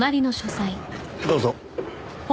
どうぞ。